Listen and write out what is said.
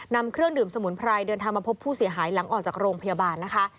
นำเครื่องดื่มสมุนไพรเดินทางมาพบผู้เสียหายหลังออกจากโรงพยาบาลนะคะ